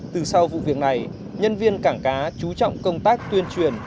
từ sau vụ việc này nhân viên cảng cá chú trọng công tác tuyên truyền